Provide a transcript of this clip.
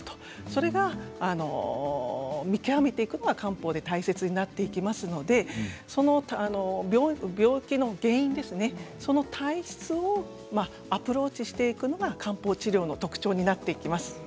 それを見極めていくのが漢方で大切になっていきますので病気の原因ですね、その体質をアプローチしていくのが漢方治療の特徴になっていきます。